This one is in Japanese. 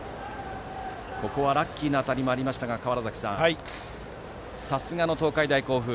ラッキーな当たりもありましたが川原崎さん、さすがの東海大甲府。